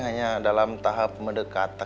hanya dalam tahap mendekatkan